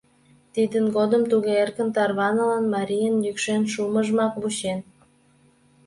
Тидын годым туге эркын тарванылын — марийын йӱкшен шумыжымак вучен.